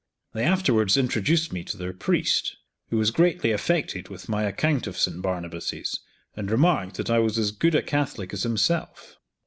They afterwards introduced me to their priest, who was greatly affected with my account of St. Barnabas's, and remarked that I was as good a Catholic as himself.